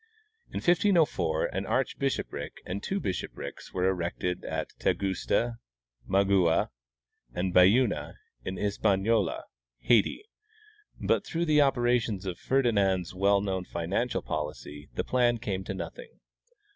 In 1504 an archbishopric and two bishoprics were erected at Tagusta, Magua, and Bay una, in Hispaniola (Haiti), but through the operations of Ferdinand's well known financial Early American Dioceses. 205 policy the plan came to nothing.